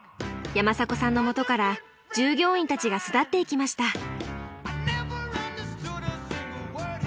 山迫さんのもとから従業員たちが巣立っていきました。